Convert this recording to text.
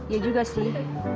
iya juga sih